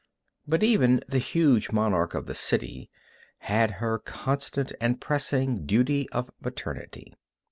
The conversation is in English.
But even the huge monarch of the city had her constant and pressing duty of maternity.